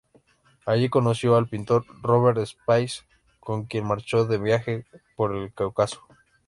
Allí conoció al pintor Robert Spies, con quien marchó de viaje por el Cáucaso.